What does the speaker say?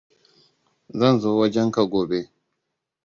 Zan zo wajenka gobe.